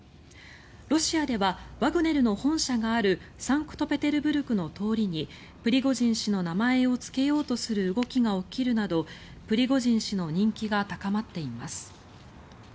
ロシアではワグネルの本社があるサンクトペテルブルクの通りにプリゴジン氏の名前をつけようとする動きが起きるなどプリゴジン氏の人気が高まっています。